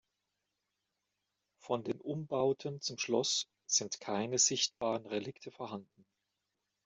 Von den Umbauten zum Schloss sind keine sichtbaren Relikte vorhanden.